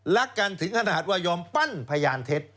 รักกันถึงขนาดว่ายอมปั้นพยานเท็จ